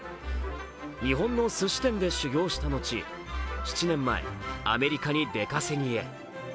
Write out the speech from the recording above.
日本のすし店で修業した後、７年前、アメリカに出稼ぎへ。